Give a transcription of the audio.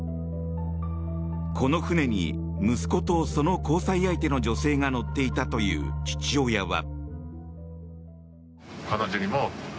この船に息子とその交際相手の女性が乗っていたという父親は。